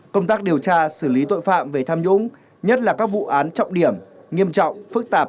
công tác điều tra xử lý tội phạm về tham nhũng nhất là các vụ án trọng điểm nghiêm trọng phức tạp